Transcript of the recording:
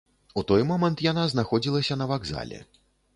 У той момант яна знаходзілася на вакзале.